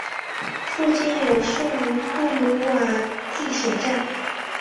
附近有圣昂布鲁瓦地铁站。